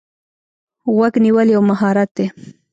غوږ نیول یو مهارت دی.